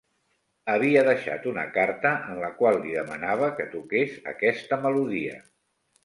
Havia deixat una carta en la qual li demanava que toqués aquesta melodia.